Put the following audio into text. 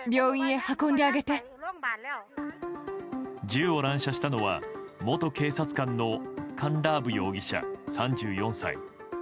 銃を乱射したのは元警察官のカンラーブ容疑者、３４歳。